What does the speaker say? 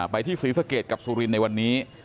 ไปที่ศรีสะเกดกับสุรินทร์ในวันนี้